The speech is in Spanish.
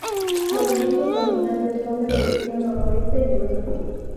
Los vientos dominantes son de dirección noreste y oeste.